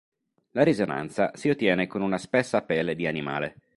La risonanza si ottiene con una spessa pelle di animale.